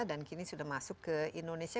dan kini sudah masuk ke indonesia